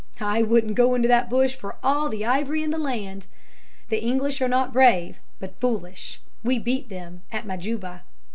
I wouldn't go into that bush for all the ivory in the land. The English are not brave, but foolish; we beat them at Majuba.'